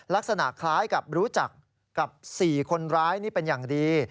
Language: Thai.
ลักษณะคล้ายกับรู้จักกับ๔คนร้ายนี่เป็นอย่างดี